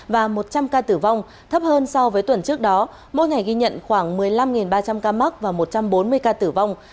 và một trăm linh ca tử vong thấp hơn so với tuần trước đó mỗi ngày ghi nhận khoảng một mươi năm ba trăm linh ca mắc và một trăm bốn mươi ca tử vong